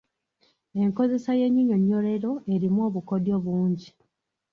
Enkozesa y’ennyinyonnyolero erimu obukodyo bungi.